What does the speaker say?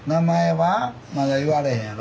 まだ言われへんやろ？